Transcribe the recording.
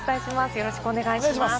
よろしくお願いします。